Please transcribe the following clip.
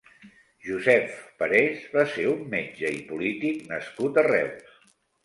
Joseph Parés va ser un metge i polític nascut a Reus.